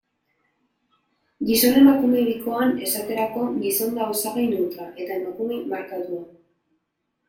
Gizon-emakume bikoan, esaterako, gizon da osagai neutroa, eta emakume markatua.